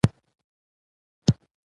احمد؛ کرار کېنه ـ نورې غنګۍ مه وهه.